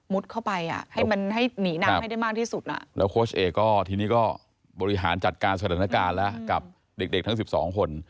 เข้าไปอ่ะให้มันให้หนีน้ำให้ได้มากที่สุดอ่ะแล้วโค้ชเอกก็ทีนี้ก็บริหารจัดการสถานการณ์แล้วกับเด็กเด็กทั้ง๑๒คน